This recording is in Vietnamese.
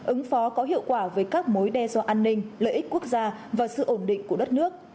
ứng phó có hiệu quả với các mối đe dọa an ninh lợi ích quốc gia và sự ổn định của đất nước